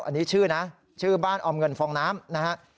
อันนี้ชื่อนะชื่อบ้านออมเงินฟองน้ำนะฮะ